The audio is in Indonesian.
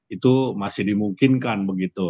itu masih dimungkinkan begitu